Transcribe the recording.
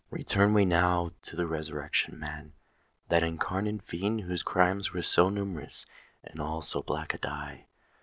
Return we now to the Resurrection Man,—that incarnate fiend whose crimes were so numerous, and all of so black a dye.